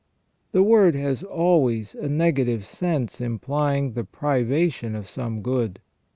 The word has always a negative sense implying the privation of some good.